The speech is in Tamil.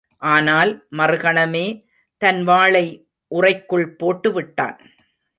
ஆனால், மறுகணமே, தன் வாளை உறைக்குள் போட்டு விட்டான்.